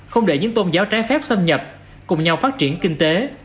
không để những tôn giáo trái phép xâm nhập cùng nhau phát triển kinh tế